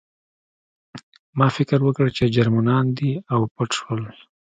ما فکر وکړ چې جرمنان دي او پټ شوم